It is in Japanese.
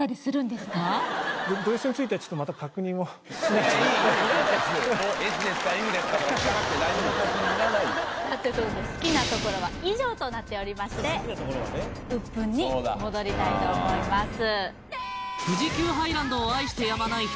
Ｍですか？」とかさあということで好きなところは以上となっておりましてウップンに戻りたいと思います